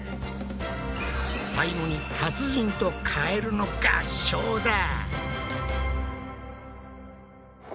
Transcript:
最後に達人とカエルの合唱だ！